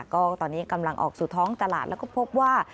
ก็ตอนนี้กำลังออกสู่ท้องตลาดแล้วก็พบว่า